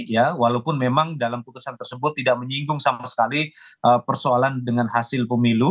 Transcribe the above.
ya walaupun memang dalam putusan tersebut tidak menyinggung sama sekali persoalan dengan hasil pemilu